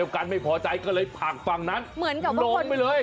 ก็เลยตากฝั่งนั้นลงไปเลย